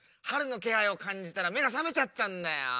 はるのけはいをかんじたら目が覚めちゃったんだよ。